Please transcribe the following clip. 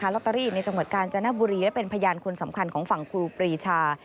ลอตเตอรี่ในจังหวัดกาญจนบุรีและเป็นพยานคนสำคัญของฝั่งครูปรีชา